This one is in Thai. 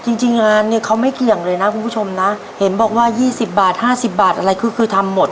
จริงจริงงานเนี่ยเขาไม่เกี่ยงเลยนะคุณผู้ชมนะเห็นบอกว่ายี่สิบบาทห้าสิบบาทอะไรคือคือทำหมด